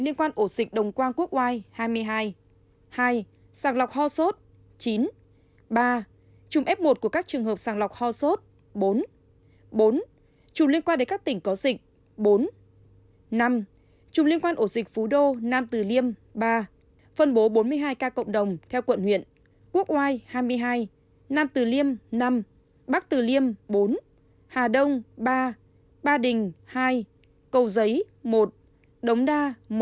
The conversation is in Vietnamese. liên quan ổ dịch đồng quang quốc oai hai mươi hai hai sàng lọc ho sốt chín ba chùm f một của các trường hợp sàng lọc ho sốt bốn bốn chùm liên quan đến các tỉnh có dịch bốn năm chùm liên quan ổ dịch phú đô nam từ liêm ba phân bố bốn mươi hai ca cộng đồng theo quận huyện quốc oai hai mươi hai nam từ liêm năm bắc từ liêm bốn hà đông ba ba đình hai cầu giấy một đống đa một